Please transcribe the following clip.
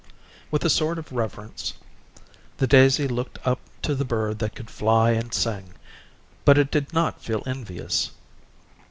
With a sort of reverence the daisy looked up to the bird that could fly and sing, but it did not feel envious.